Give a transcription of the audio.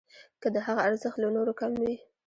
که د هغه ارزښت له نورو کم وي.